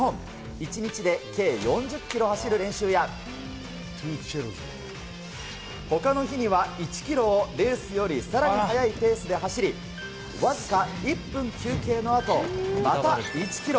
一日で計４０ｋｍを走る練習や、他の日には１ｋｍをレースより、さらに早いペースで走り、わずか１分休憩の後、また１ｋｍ。